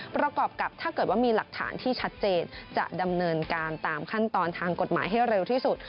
ประกอบกับถ้าเกิดว่ามีหลักฐานที่ชัดเจนจะดำเนินการตามขั้นตอนทางกฎหมายให้เร็วที่สุด